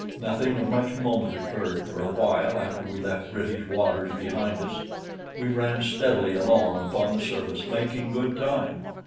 Nothing of much moment occurred for a while after we left British waters behind us. We ran steadily along upon the surface, making good time.